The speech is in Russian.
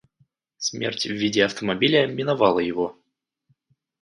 Смерть в виде автомобиля миновала его.